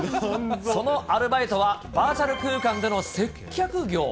そのアルバイトは、バーチャル空間での接客業。